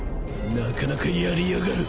なかなかやりやがる！］